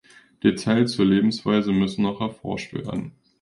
Details zur Lebensweise müssen noch erforscht werden.